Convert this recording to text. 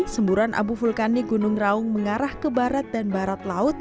semburan abu vulkanik gunung raung mengarah ke barat dan barat laut